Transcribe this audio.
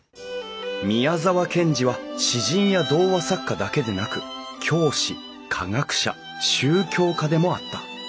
宮沢賢治は詩人や童話作家だけでなく教師科学者宗教家でもあった。